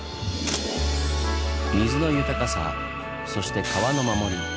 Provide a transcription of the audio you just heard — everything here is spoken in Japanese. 水の豊かさそして川の守り。